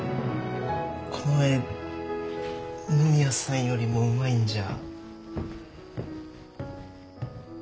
この絵野宮さんよりもうまいんじゃ。